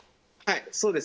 はい。